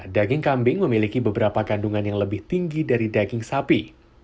daging kambing memiliki beberapa kandungan yang lebih tinggi dari daging sapi